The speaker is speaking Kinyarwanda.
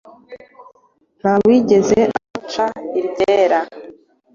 nta wigeze amuca iryera,